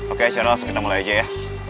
oke acara langsung kita mulai aja ya